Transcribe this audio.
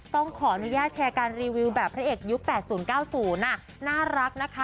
ต้องขออนุญาตแชร์การรีวิวแบบพระเอกยุค๘๐๙๐น่ารักนะคะ